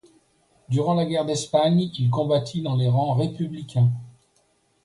Durant la guerre d'Espagne, il combattit dans les rangs républicains.